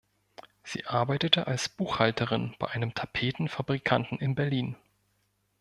Sie arbeitete als Buchhalterin bei einem Tapeten-Fabrikanten in Berlin.